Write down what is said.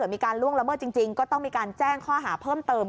มีการล่วงละเมิดจริงก็ต้องมีการแจ้งข้อหาเพิ่มเติม